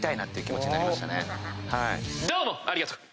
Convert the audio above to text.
どうもありがとう！